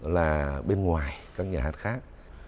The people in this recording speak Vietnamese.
là bên ngoài các nhà hát khác